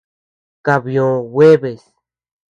Kabyio jueves.